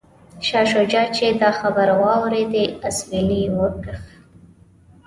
شاه شجاع چې دا خبرې واوریدې اسویلی یې وکیښ.